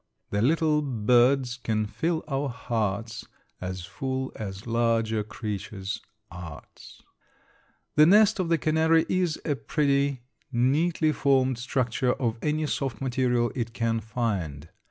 The little birds can fill our hearts As full as larger creatures' arts. The nest of the canary is a pretty, neatly formed structure of any soft material it can find.